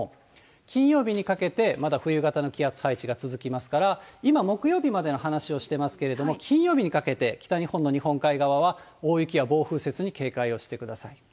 金曜日にかけて、まだ冬型の気圧配置が続きますから、今、木曜日までの話をしてますけれども、金曜日にかけて、北日本の日本海側は大雪や暴風雪に警戒をしてください。